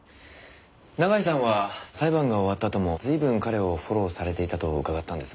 永井さんは裁判が終わったあとも随分彼をフォローされていたと伺ったんですが。